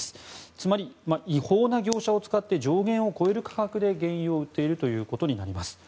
つまり、違法な業者を使って上限を超える価格で原油を売っているということになります。